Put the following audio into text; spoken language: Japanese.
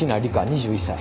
２１歳。